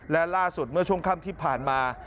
และล่าสุดเมื่อช่วงค่ำที่ผ่านมา